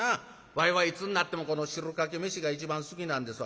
わいはいつになってもこの汁かけ飯が一番好きなんですわ。